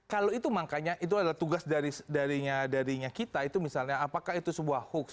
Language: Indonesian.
kalau itu makanya itu adalah tugas darinya kita itu misalnya apakah itu sebuah hoax